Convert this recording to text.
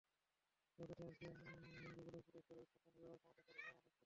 অ্যাপের সাহায্য নিনগুগলের প্লে স্টোরে স্মার্টফোনের ব্যবহার কমাতে পারে এমন অনেক অ্যাপ পাবেন।